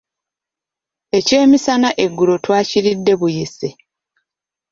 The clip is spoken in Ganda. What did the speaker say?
Ekyemisana eggulo twakiridde buyise.